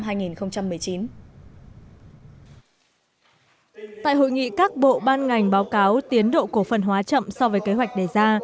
tại hội nghị các bộ ban ngành báo cáo tiến độ cổ phần hóa chậm so với kế hoạch đề ra